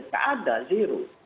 tidak ada zero